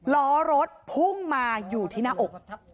ล้อรถพุ่งมาอยู่ที่หน้าอก